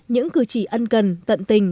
những cư trì ân cần tận tình